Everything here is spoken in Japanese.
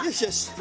何？